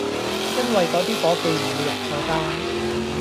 因為嗰啲伙計唔會落錯單